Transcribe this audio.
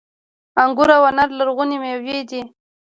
انګور او انار لرغونې میوې دي